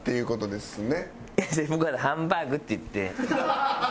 いや違う僕は「ハンバーグ」って言って。